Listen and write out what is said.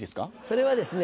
それはですね